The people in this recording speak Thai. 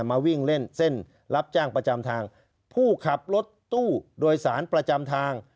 มาวิ่งเล่นเส้นรับจ้างประจำทางผู้ขับรถตู้โดยสารประจำทาง